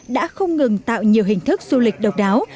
đã không ngừng tạo nhiều hình thức du lịch độc đáo